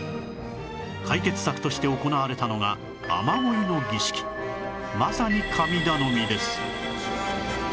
解決策として行われたのがまさに神頼みです